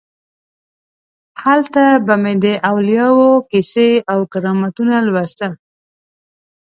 هلته به مې د اولیاو کیسې او کرامتونه لوستل.